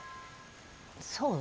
そう？